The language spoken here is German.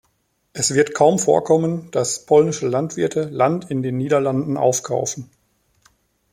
Es wird kaum vorkommen, dass polnische Landwirte Land in den Niederlanden aufkaufen.